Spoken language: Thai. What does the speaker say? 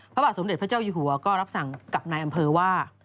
พระบาทสมเด็จพระเจ้าอยู่หัวก็รับสั่งกับนายอำเภอว่า